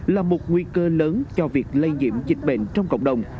là một nguy cơ lớn cho việc lây nhiễm dịch bệnh trong cộng đồng